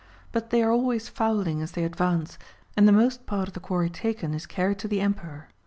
But they are always fowling as they advance, and the most part of the quarry taken is carried to the Emperor.